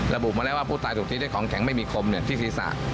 ระบุมาแล้วว่าผู้ตายถูกตีด้วยของแข็งไม่มีคมที่ศีรษะ